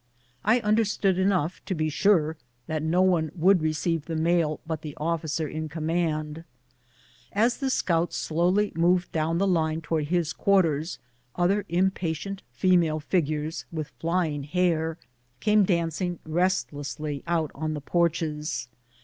I understood enough, to be sure, that no one would receive the mail but the officer in command. As the scouts slowly moved down the line towards his quarters, other impatient female figures with flying hair came dancing restlessly out on the porches.